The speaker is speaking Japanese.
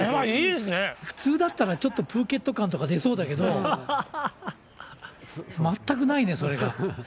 普通だったらちょっと、プーケット感とか出そうだけど、全くないね、それが。